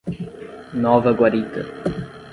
Nova Guarita